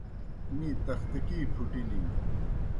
می تختکی پُھٹِیلِن۔